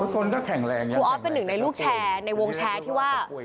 ครูออสเป็นหนึ่งในลูกแชร์ในวงแชร์ที่ว่า